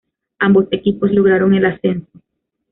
Ambos equipos lograron el ascenso.